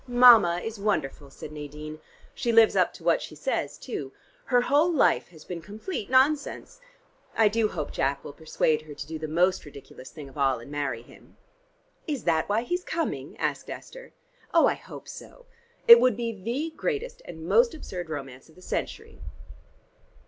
"Mama is wonderful," said Nadine. "She lives up to what she says, too. Her whole life has been complete nonsense. I do hope Jack will persuade her to do the most ridiculous thing of all, and marry him." "Is that why he is coming?" asked Esther. "Oh, I hope so. It would be the greatest and most absurd romance of the century."